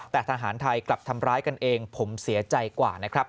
แต่ทหารไทยกลับทำร้ายกันเองผมเสียใจกว่านะครับ